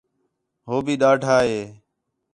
ہو بھی دھاڑا ہِے